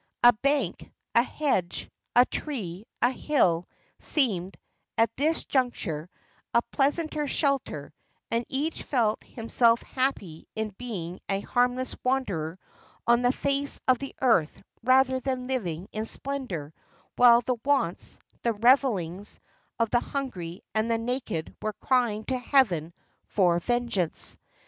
A bank, a hedge, a tree, a hill, seemed, at this juncture, a pleasanter shelter, and each felt himself happy in being a harmless wanderer on the face of the earth rather than living in splendour, while the wants, the revilings of the hungry and the naked were crying to Heaven for vengeance.